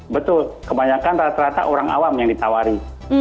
betul kebanyakan rata rata orang awam yang ditawari